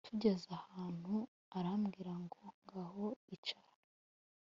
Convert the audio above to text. tugeze ahantu arambwira ngo ngaho icara